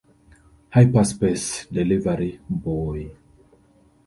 Hyperspace Delivery Boy!